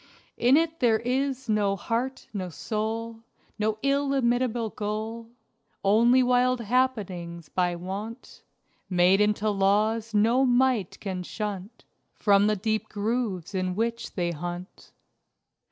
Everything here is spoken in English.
In it there is no Heart no Soul No illimitable Goal Only wild happenings, by wont Made into laws no might can shunt From the deep grooves in which they hunt.